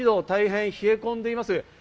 大変冷え込んでいます。